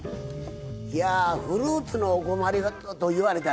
いやぁフルーツのお困りごとと言われたらですね